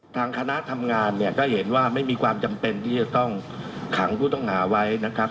ทางคณะทำงานเนี่ยก็เห็นว่าไม่มีความจำเป็นที่จะต้องขังผู้ต้องหาไว้นะครับ